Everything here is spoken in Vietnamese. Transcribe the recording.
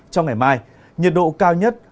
trong ngày mai nhiệt độ cao nhất